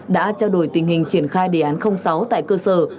đã trao đổi tình hình triển khai đề án sáu tại cơ sở